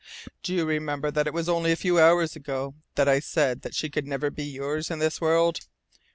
"Do you remember that it was only a few hours ago that I said she could never be yours in this world?"